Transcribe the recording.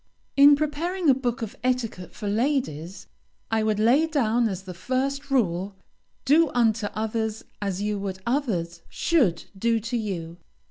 In preparing a book of etiquette for ladies, I would lay down as the first rule, "Do unto others as you would others should do to you."